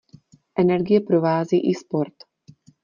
Energie provází i sport.